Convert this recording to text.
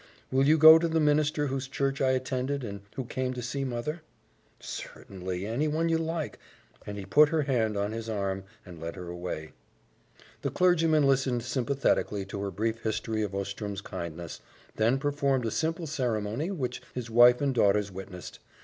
Will you go to the minister whose church I attended, and who came to see mother?" "Certainly, anyone you like," and he put her hand on his arm and led her away. The clergyman listened sympathetically to her brief history of Ostrom's kindness, then performed a simple ceremony which his wife and daughters witnessed.